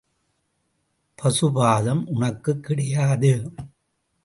பசுபாதம் உனக்குக் கிடையாது.